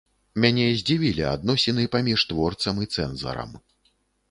Мяне здзівілі адносіны паміж творцам і цэнзарам.